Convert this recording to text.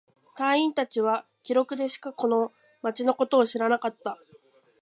隊員達は記録でしかこの町のことを知らなかった。